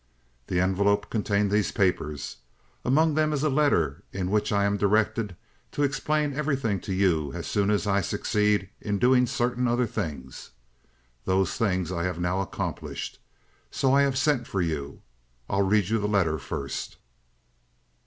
"The envelope contained these papers. Among them is a letter in which I am directed to explain everything to you as soon as I succeed in doing certain other things. Those things I have now accomplished. So I have sent for you. I'll read you the letter first."